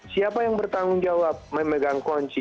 siapa yang bertanggung jawab memegang kunci